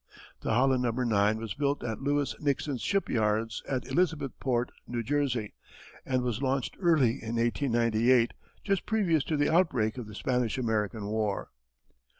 The Holland No. 9 was built at Lewis Nixon's shipyards at Elizabethport, New Jersey, and was launched early in 1898, just previous to the outbreak of the Spanish American War.